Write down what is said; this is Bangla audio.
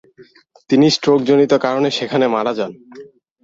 তিনি স্ট্রোকজনিত কারণে সেখানে মারা যান।